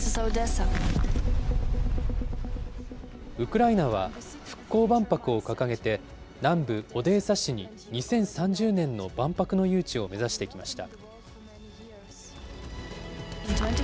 ウクライナは復興万博を掲げて、南部オデーサ市に、２０３０年の万博の誘致を目指してきました。